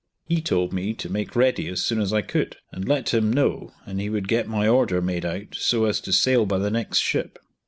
He told me to make ready as soon as I could, and let him know, and he would get my order made out so as to sail by the next ship.